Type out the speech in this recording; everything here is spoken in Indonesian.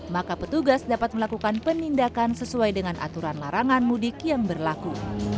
maka petugas dapat melakukan penindakan sesuai dengan aturan larangan mudik yang berlaku